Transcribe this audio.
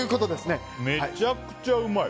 めちゃくちゃうまい！